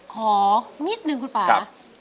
ขอนิดนึงคุณป่า